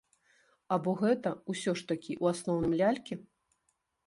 Або гэта, ўсё ж такі, у асноўным лялькі?